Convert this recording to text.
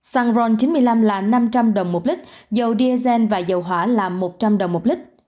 xăng ron chín mươi năm là năm trăm linh đồng một lít dầu diesel và dầu hỏa là một trăm linh đồng một lít